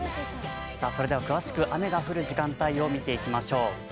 詳しく雨が降る時間帯を見ていきましょう。